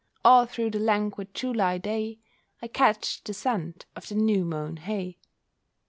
All through the languid July day I catch the scent of the new mown hay.